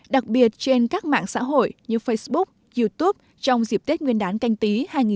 đặc biệt trên các mạng xã hội như facebook youtube trong dịp tết nguyên đán canh tí hai nghìn hai mươi